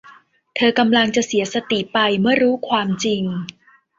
เธอกำลังจะเสียสติไปเมื่อรู้ความจริง